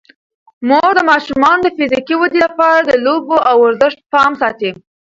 مور د ماشومانو د فزیکي ودې لپاره د لوبو او ورزش پام ساتي.